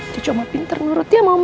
cucu oma pinter nurut ya mama